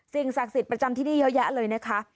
ศักดิ์สิทธิ์ประจำที่นี่เยอะแยะเลยนะคะ